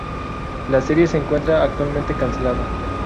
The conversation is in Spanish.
La serie se encuentra actualmente cancelada.